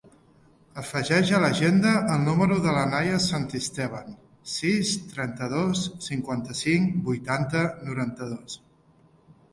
Afegeix a l'agenda el número de la Naia Santisteban: sis, trenta-dos, cinquanta-cinc, vuitanta, noranta-dos.